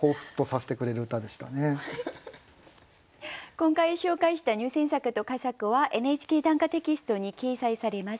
今回紹介した入選作と佳作は「ＮＨＫ短歌」テキストに掲載されます。